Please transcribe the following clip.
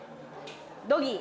ドギー。